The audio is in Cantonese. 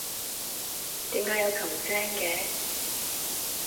點解有琴聲嘅？